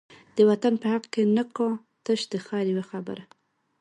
د وطن په حق کی نه کا، تش د خیر یوه خبره